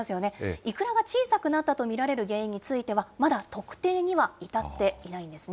イクラが小さくなったと見られる原因については、まだ特定には至っていないんですね。